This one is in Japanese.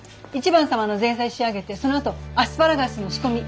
１番様の前菜仕上げてそのあとアスパラガスの仕込み。